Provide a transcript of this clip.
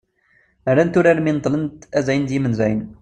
rrant urar mi neṭṭlent "azalen d yimenzayen"